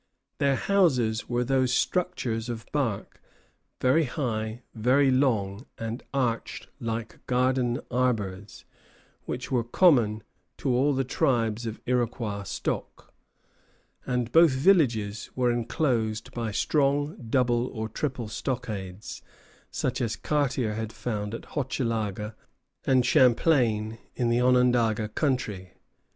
Their houses were those structures of bark, "very high, very long, and arched like garden arbors," which were common to all the tribes of Iroquois stock, and both villages were enclosed by strong double or triple stockades, such as Cartier had found at Hochelaga, and Champlain in the Onondaga country.